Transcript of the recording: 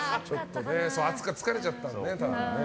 暑くて疲れちゃったんだね、多分。